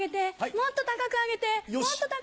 もっと高く揚げて。